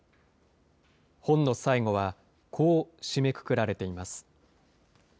本の最後は、こう締めくくられています。